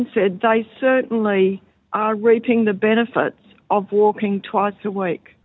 ketika mendengar temuan penelitian tersebut